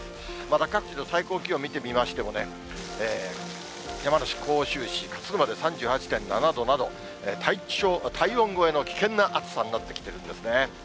また各地の最高気温見てみましてもね、山梨・甲州市勝沼で３８．７度など、体温超えの危険な暑さになってきてるんですね。